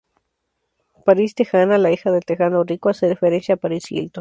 Paris Texana, la hija del Texano Rico hace referencia a Paris Hilton.